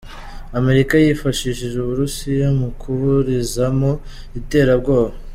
Amerika yafashije Uburusiya mu kuburizamo iterabwoba.